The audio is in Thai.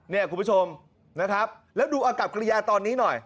นี่คุณผู้ชมแล้วดูอากาศกรรยาตอนนี้หน่อย